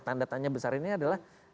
tanda tanya besar ini adalah